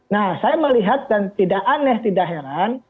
nah saya melihat dan tidak aneh tidak heran